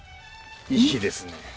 いいですね。